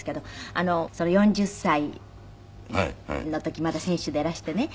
４０歳の時まだ選手でいらしてね